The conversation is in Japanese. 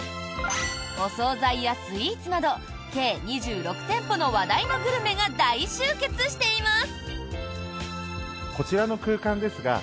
お総菜やスイーツなど計２６店舗の話題のグルメが大集結しています。